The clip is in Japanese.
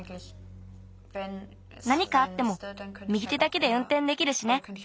なにかあっても右手だけでうんてんできるしね。